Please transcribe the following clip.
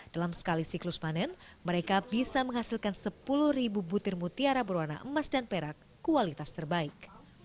dalam sekali siklus panen mereka bisa menghasilkan sepuluh butir mutiara berwarna emas dan perak kualitas terbaik